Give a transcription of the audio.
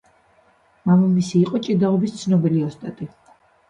მამამისი იყო ჭიდაობის ცნობილი ოსტატი.